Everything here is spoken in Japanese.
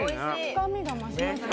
深みが増しますね。